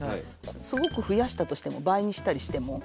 すごく増やしたとしても倍にしたりしても。